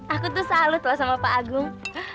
aku tuh salut loh sama pak agung